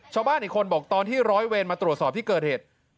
ชาวบ้านอีกคนบอกตอนที่ร้อยเวรมาตรวจสอบที่เกิดเหตุ